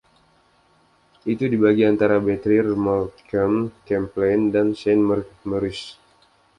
Itu dibagi antara Berthier-Montcalm, Champlain, dan Saint-Maurice.